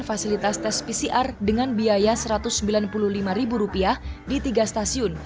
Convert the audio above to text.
fasilitas tes pcr dengan biaya rp satu ratus sembilan puluh lima di tiga stasiun